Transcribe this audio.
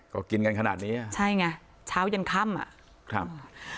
ก็กินกันขนาดนี้อะใช่ไงเช้ายันค่ำอะ